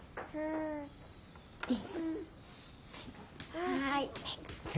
はい。